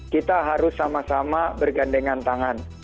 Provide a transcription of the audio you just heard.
kita harus sama sama bergandengan tangan